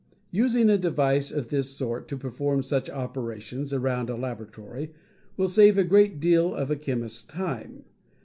"Using a device of this sort to perform such operations around a laboratory will save a great deal of a chemist's time.